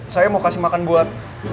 saya mau kasih makan buat